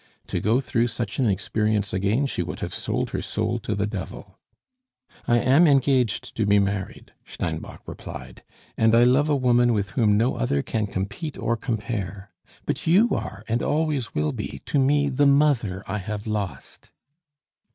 To go through such an experience again she would have sold her soul to the Devil. "I am engaged to be married," Steinbock replied, "and I love a woman with whom no other can compete or compare. But you are, and always will be, to me the mother I have lost."